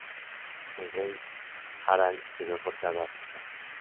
El rey Harald se vio forzado a aceptar.